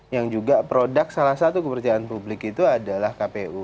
yang juga produk salah satu kepercayaan publik itu adalah kpu